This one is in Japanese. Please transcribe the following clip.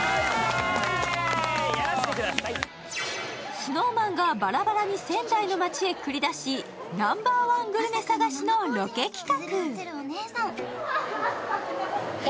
ＳｎｏｗＭａｎがばらばらに仙台の街へ繰り出し、ナンバーワングルメ探しのロケ企画。